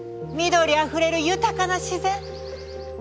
緑あふれる豊かな自然。